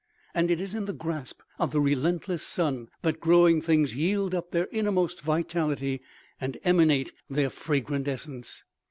And it is in the grasp of the relentless sun that growing things yield up their innermost vitality and emanate their fragrant essence.